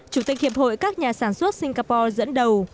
chủ tịch hiệp hội các nhà sản xuất singapore dẫn đầu